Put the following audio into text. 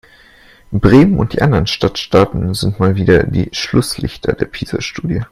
Bremen und die anderen Stadtstaaten sind mal wieder die Schlusslichter der PISA-Studie.